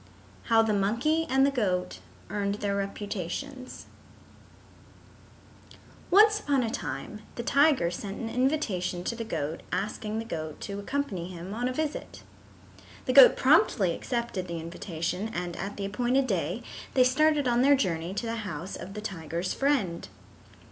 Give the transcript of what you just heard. IX How the Monkey and the Goat Earned Their Reputations Once upon a time the tiger sent an invitation to the goat asking the goat to accompany him on a visit. The goat promptly accepted the invitation and at the appointed day they started on their journey to the house of the tiger's friend.